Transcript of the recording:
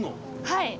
はい！